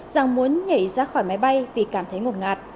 rằng muốn nhảy ra khỏi máy bay vì cảm thấy ngột ngạt